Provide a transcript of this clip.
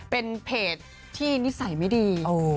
เป็นเพจที่นิสัยไม่ดี